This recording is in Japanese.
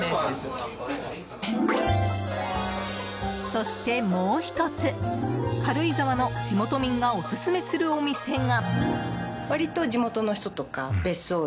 そしてもう１つ軽井沢の地元民がオススメするお店が。